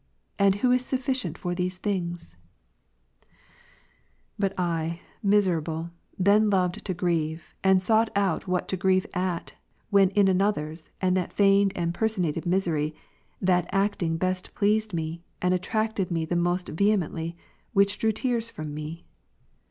And ivho is sufficient for these things ? \c^^^ ^' 4. But I, miserable, then loved to grieve, and sought out what to grieve at, when in another's and that feigned and personated misery, that acting best pleased me, and attracted me the most vehemently, which drew tears from me.